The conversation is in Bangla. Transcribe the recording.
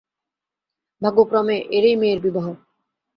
ভাগ্যক্রমে এরই মেয়ের বিবাহ।